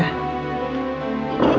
tapi kenapa kak